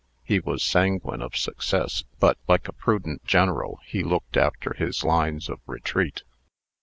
He was sanguine of success; but, like a prudent general, he looked after his lines of retreat.